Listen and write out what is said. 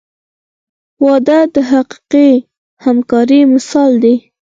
• واده د حقیقي همکارۍ مثال دی.